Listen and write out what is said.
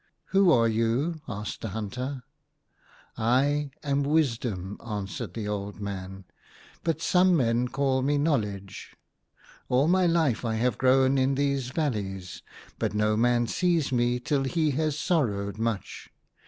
"Who are you ?" asked the hunter. " I am Wisdom," answered the old man ;" but some men called me Know ledge. All my life I have grown in these valleys ; but no man sees me till 28 T^E HUNTER. he has sorrowed much.